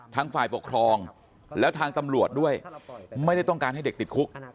ทางฝ่ายปกครองแล้วทางตำรวจด้วยไม่ได้ต้องการให้เด็กติดคุก